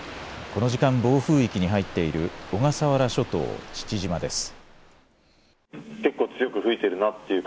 この時間、暴風域に入っている小笠原諸島父島です。